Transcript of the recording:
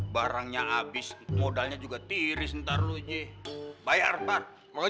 barangnya habis modalnya juga tiris ntar luji bayar pak makanya